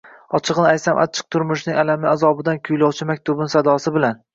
Ochig’ini aytsam, achchiq turmushning alamli azobidan kuylovchi maktubim sadosi bilan